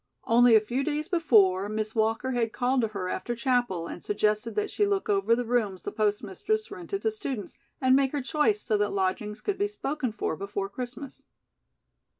Only a few days before, Miss Walker had called to her after chapel and suggested that she look over the rooms the postmistress rented to students, and make her choice so that lodgings could be spoken for before Christmas.